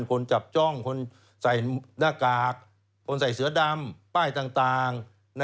คนจับจ้องคนใส่หน้ากากคนใส่เสือดำป้ายต่าง